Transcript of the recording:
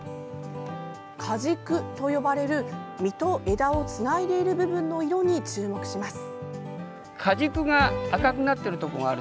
果軸と呼ばれる実と枝をつないでいる部分の色に注目します。